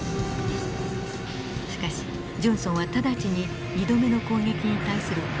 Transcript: しかしジョンソンは直ちに２度目の攻撃に対する報復を指令。